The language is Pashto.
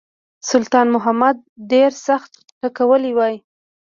سلطان محمود ډېر سخت ټکولی وای.